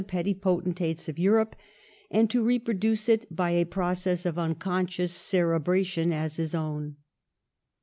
petty potentates of Europe, and to reproduce it by a process of unconscious cerebration as his own.